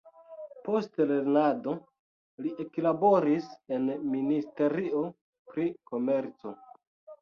Post lernado li eklaboris en ministerio pri komerco.